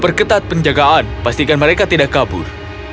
perketat penjagaan pastikan mereka tidak kabur